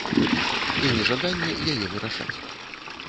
І нежаданне яе вырашаць.